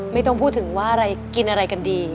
ไม่ต้องพูดถึงว่าอะไรกินอะไรกันดี